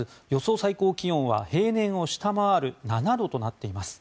最高気温は平年を下回る７度となっています。